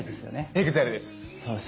ＥＸＩＬＥです。